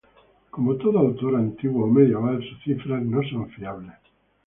Como todo autor antiguo o medieval, sus cifras no son fiables.